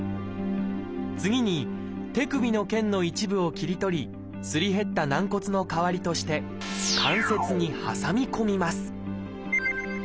次に手首の腱の一部を切り取りすり減った軟骨の代わりとして関節に挟み込みます。